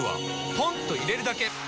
ポンと入れるだけ！